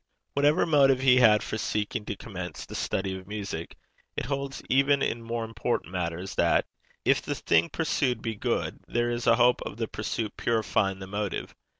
Whatever motive he had for seeking to commence the study of music, it holds even in more important matters that, if the thing pursued be good, there is a hope of the pursuit purifying the motive.